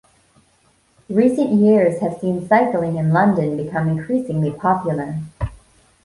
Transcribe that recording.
Recent years have seen cycling in London become increasingly popular.